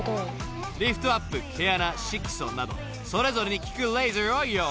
［リフトアップ毛穴色素などそれぞれに効くレーザーを用意］